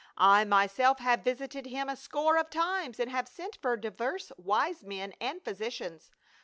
I myself have visited him a score of times and have sent for divers wise men and physicians.